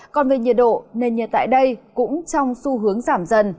còn về nhiệt độ nền nhiệt tại đây cũng trong xu hướng giảm dần